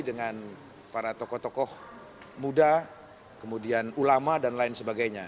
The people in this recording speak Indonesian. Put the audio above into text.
dengan para tokoh tokoh muda kemudian ulama dan lain sebagainya